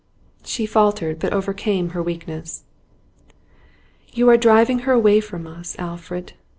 She faltered, but overcame her weakness. 'You are driving her away from us, Alfred.